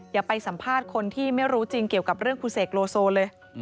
อย่าไปสัมภาษณ์คนที่ไม่รู้จริงเกี่ยวกับเรื่องคุณเสกโลโซเลย